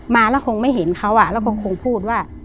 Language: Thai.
มาแล้วคงไม่เห็นเขาแล้วก็คงพูดว่า